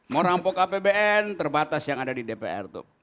mau rampok apbn terbatas yang ada di dpr itu